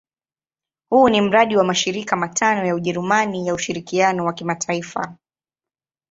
Huu ni mradi wa mashirika matano ya Ujerumani ya ushirikiano wa kimataifa.